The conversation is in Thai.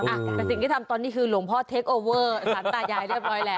แต่สิ่งที่ทำตอนนี้คือหลวงพ่อเทคโอเวอร์สารตายายเรียบร้อยแล้ว